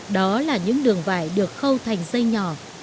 đó là những đường vải được khâu thành dây nhỏ